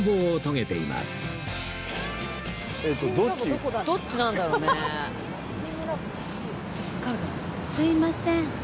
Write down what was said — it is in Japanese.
すみません。